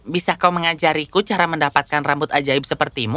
bisa kau mengajariku cara mendapatkan rambut ajaib sepertimu